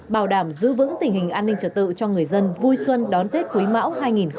bảo đảm giữ vững tình hình an ninh trở tự cho người dân vui xuân đón tết quý mão hai nghìn hai mươi